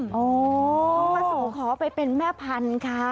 มาสู่ขอไปเป็นแม่พันธุ์